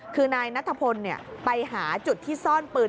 คือนายนัทพลไปหาจุดที่ซ่อนปืน